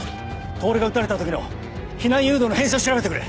透が撃たれた時の避難誘導の編成を調べてくれ。